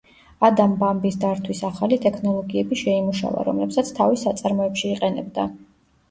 ადამ ბამბის დართვის ახალი ტექნოლოგიები შეიმუშავა, რომლებსაც თავის საწარმოებში იყენებდა.